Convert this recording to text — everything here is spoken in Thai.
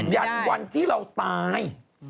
ยันวันที่เราตาย